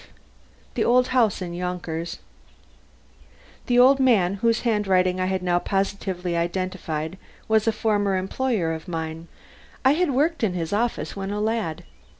V THE OLD HOUSE IN YONKERS The old man whose handwriting I had now positively identified was a former employer of mine. I had worked in his office when a lad.